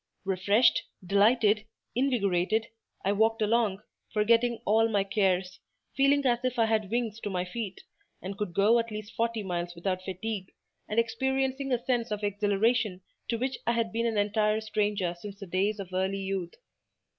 Refreshed, delighted, invigorated, I walked along, forgetting all my cares, feeling as if I had wings to my feet, and could go at least forty miles without fatigue, and experiencing a sense of exhilaration to which I had been an entire stranger since the days of early youth.